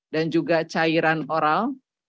dan juga cairan oral